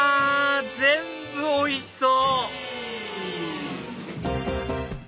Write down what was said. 全部おいしそう！